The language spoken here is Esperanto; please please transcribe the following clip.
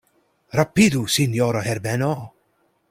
Rapidu, sinjoro Herbeno.